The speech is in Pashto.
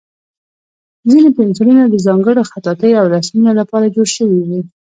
ځینې پنسلونه د ځانګړو خطاطیو او رسمونو لپاره جوړ شوي وي.